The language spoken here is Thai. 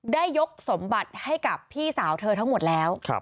ได้ยกสมบัติให้กับพี่สาวเธอทั้งหมดแล้ว